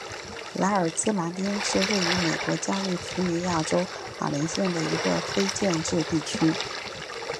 莱尔兹兰丁是位于美国加利福尼亚州马林县的一个非建制地区。